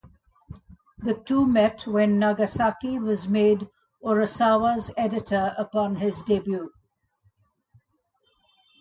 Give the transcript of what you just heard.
The two met when Nagasaki was made Urasawa's editor upon his debut.